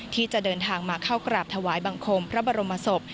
ที่จะเดินทางมาเข้ากราบถวายบังคมพระบรมศพ